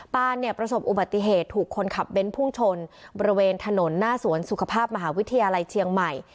เนี่ยประสบอุบัติเหตุถูกคนขับเบ้นพุ่งชนบริเวณถนนหน้าสวนสุขภาพมหาวิทยาลัยเชียงใหม่